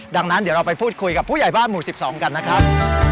ดังนั้นเดี๋ยวเราไปพูดคุยกับผู้ใหญ่บ้านหมู่๑๒กันนะครับ